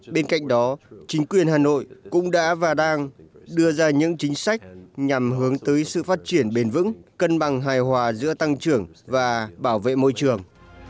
bên cạnh đó chính quyền hà nội cũng đã và đang đưa ra những chính sách nhằm hướng tới sự phát triển bền vững cân bằng hài hòa giữa tăng trưởng và bảo vệ môi trường